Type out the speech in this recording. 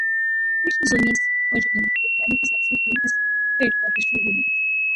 Yoshizumi's progeny would directly succeed him as head of the shogunate.